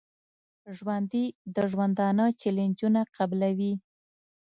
ژوندي د ژوندانه چیلنجونه قبلوي